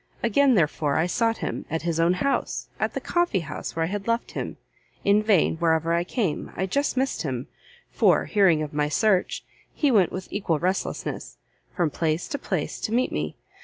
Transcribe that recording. Again, therefore, I sought him, at his own house, at the coffee house where I had left him, in vain, wherever I came, I just missed him, for, hearing of my search, he went with equal restlessness, from place to place to meet me.